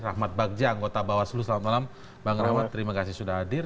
rahmat bagja anggota bawaslu selamat malam bang rahmat terima kasih sudah hadir